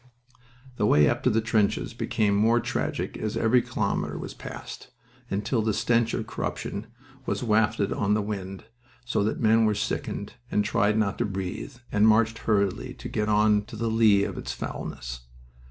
The way up to the trenches became more tragic as every kilometer was passed, until the stench of corruption was wafted on the wind, so that men were sickened, and tried not to breathe, and marched hurriedly to get on the lee side of its foulness.